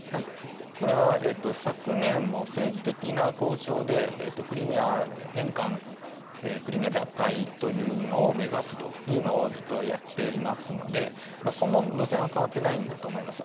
これは昨年も政治的な交渉でクリミア返還、クリミア奪回を目指すとずっとやっていますので、その路線は変わってないんだと思います。